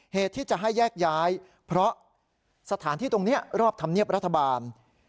เหตุที่จะให้แยกย้ายเพราะสถานที่ตรงนี้รอบธรรมเนียบรัฐบาล